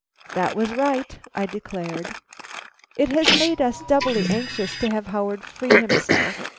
"That was right," I declared. "It has made us doubly anxious to have Howard free himself.